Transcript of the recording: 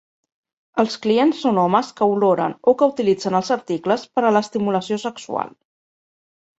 Els clients són homes que oloren o que utilitzen els articles per a l'estimulació sexual.